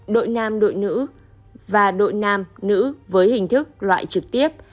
đội nam đội nữ và đội nam nữ với hình thức loại trực tiếp